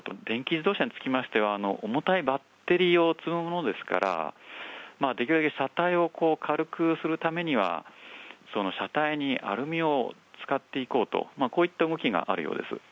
電気自動車につきましては、重たいバッテリーを積むものですから、できるだけ車体を軽くするためには、その車体にアルミを使っていこうと、こういった動きがあるようです。